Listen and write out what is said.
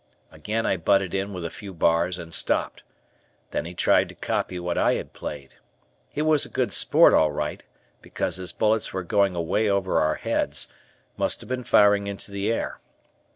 Again I butted in with a few bars and stopped. Then he tried to copy what I had played. He was a good sport all right, because his bullets were going away over our heads, must have been firing into the air.